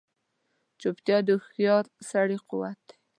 چوپتیا، د هوښیار سړي قوت دی.